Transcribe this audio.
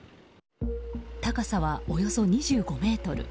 高さはおよそ２５ｍ。